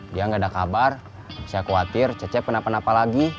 dia nggak ada kabar saya khawatir cecep kenapa kenapa lagi